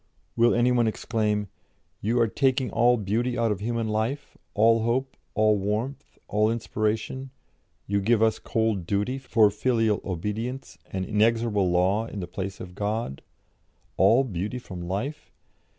"Will any one exclaim, 'You are taking all beauty out of human life, all hope, all warmth, all inspiration; you give us cold duty for filial obedience, and inexorable law in the place of God'? All beauty from life?